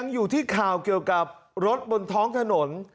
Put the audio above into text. อยู่ที่ข่าวเกี่ยวกับรถบนท้องถนน